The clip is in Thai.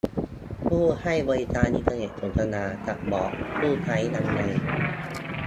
ผู้ให้บริการอินเทอร์เน็ตสนทนา : จะบอกผู้ใช้ยังไง